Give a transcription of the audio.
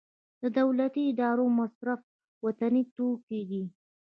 د دولتي ادارو مصرف له وطني توکو دی